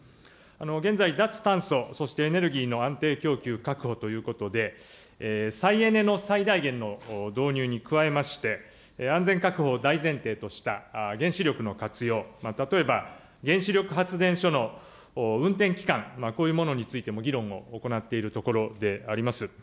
現在、脱炭素、そしてエネルギーの安定供給確保ということで、再エネの最大限の導入に加えまして、安全確保を大前提とした原子力の活用、例えば、原子力発電所の運転期間、こういうものについても議論を行っているところであります。